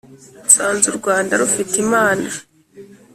nsanze u rwanda rufite imana,